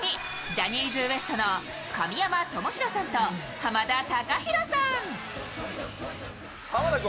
ジャニーズＷＥＳＴの神山智洋さんと濱田崇裕さん。